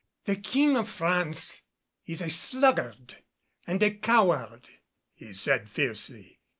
"The King of France is a sluggard and a coward," he said fiercely.